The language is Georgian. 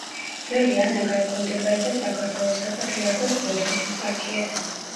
ძველი ანაგა ექვემდებარება საქართველოს საპატრიარქოს ბოდბის ეპარქიას.